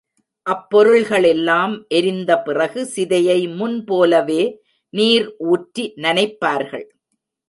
அப்பொருள்களெல்லாம் எரிந்த பிறகு, சிதையை முன் போலவே நீர் ஊற்றி நனைப்பார்கள்.